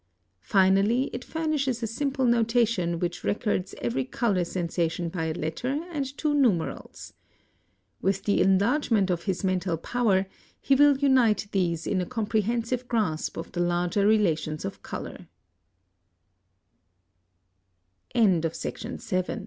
Finally, it furnishes a simple notation which records every color sensation by a letter and two numerals. With the enlargement of his mental power he will unite these in a comprehensive grasp of the larger relations o